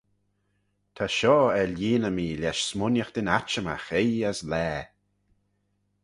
Ta shoh er lhieeney mee lesh smooinaghtyn atçhimagh oie as laa.